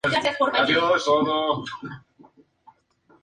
Era clave para resistir el bloqueo brasilero del puerto de Buenos Aires.